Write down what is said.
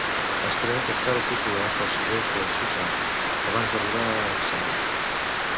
Es creu que estava situat al sud-est de Susa, abans d'arribar a Anshan.